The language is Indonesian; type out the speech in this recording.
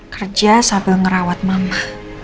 kerja sambil merawat mama